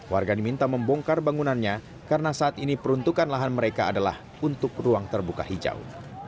warga diminta membongkar bangunannya karena saat ini peruntukan lahan mereka adalah untuk ruang terbuka hijau